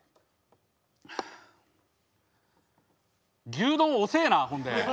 牛丼遅えなほんで。